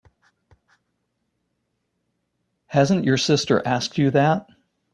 Hasn't your sister asked you that?